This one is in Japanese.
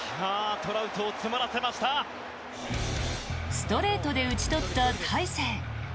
ストレートで打ち取った大勢。